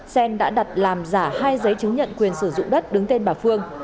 xen đã đặt làm giả hai giấy chứng nhận quyền sử dụng đất đứng tên bà phương